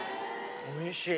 おいしい。